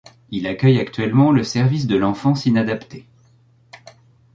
Il accueille actuellement le service de l'enfance inadaptée.